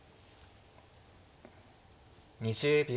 ２０秒。